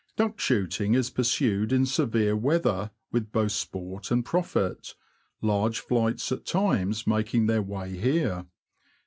Duck shooting is pursued in severe weather with both sport and profit, large flights at times making their way here.